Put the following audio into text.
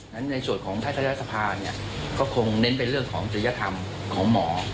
ในส่วนของท่าทรยศภาคงเน้นเป็นเรื่องของจริยธรรมของหมอ